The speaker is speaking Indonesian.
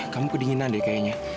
kamu kedinginan deh kayaknya